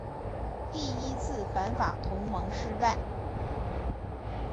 第一次反法同盟失败。